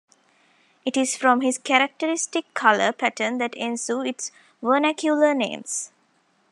It is from this characteristic color pattern that ensue its vernacular names.